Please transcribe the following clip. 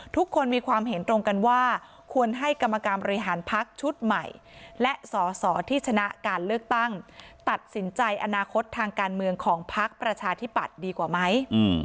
ทุกคนมีความเห็นตรงกันว่าควรให้กรรมการบริหารพักชุดใหม่และสอสอที่ชนะการเลือกตั้งตัดสินใจอนาคตทางการเมืองของพักประชาธิปัตย์ดีกว่าไหม